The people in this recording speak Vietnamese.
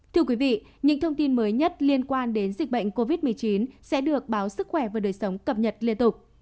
thưa quý vị những thông tin mới nhất liên quan đến dịch bệnh covid một mươi chín sẽ được báo sức khỏe và đời sống cập nhật liên tục